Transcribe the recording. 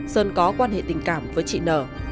sơn có quan hệ tình cảm với chị nở